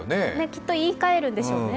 きっと言いかえるんでしょうね。